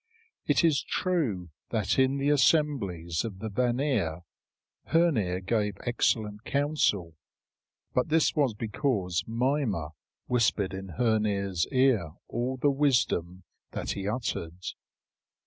It is true that in the assemblies of the Vanir Hœnir gave excellent counsel. But this was because Mimer whispered in Hœnir's ear all the wisdom that he uttered.